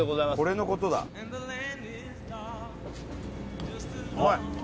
これのことだうまい！